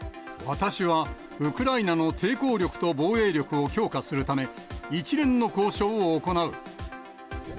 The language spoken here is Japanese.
私はウクライナの抵抗力と防衛力を強化するため、一連の交渉を行う。